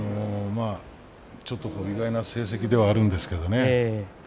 ちょっと意外な成績ではあるんですけどね。